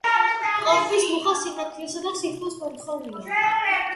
კორპის მუხა სინათლისა და სითბოს მომთხოვნია.